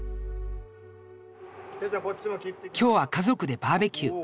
今日は家族でバーベキュー。